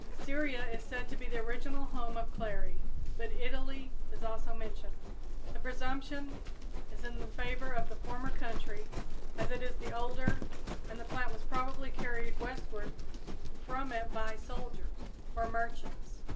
Syria is said to be the original home of clary, but Italy is also mentioned. The presumption is in favor of the former country, as it is the older, and the plant was probably carried westward from it by soldiers or merchants.